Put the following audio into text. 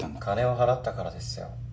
金を払ったからですよ